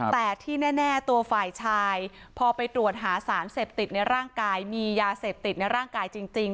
แต่ที่แน่ตัวฝ่ายชายพอไปตรวจหาสารเสพติดในร่างกายมียาเสพติดในร่างกายจริง